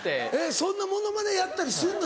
そんなモノマネやったりすんの？